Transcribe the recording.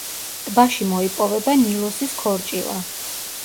ტბაში მოიპოვება ნილოსის ქორჭილა.